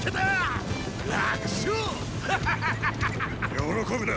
喜ぶな！